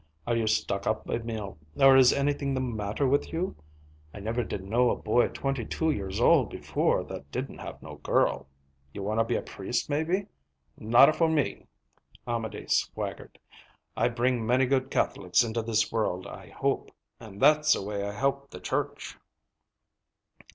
Are you stuck up, Emil, or is anything the matter with you? I never did know a boy twenty two years old before that didn't have no girl. You wanna be a priest, maybe? Not a for me!" Amédée swaggered. "I bring many good Catholics into this world, I hope, and that's a way I help the Church."